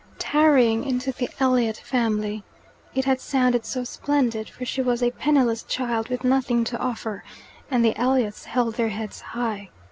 "Tarrying into the Elliot family." It had sounded so splendid, for she was a penniless child with nothing to offer, and the Elliots held their heads high.